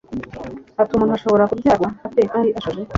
ati “umuntu ashobora kubyarwa ate kandi ashaje?